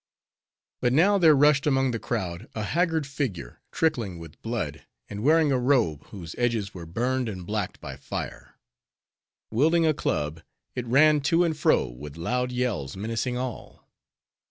But now there rushed among the crowd a haggard figure, trickling with blood, and wearing a robe, whose edges were burned and blacked by fire. Wielding a club, it ran to and fro, with loud yells menacing all.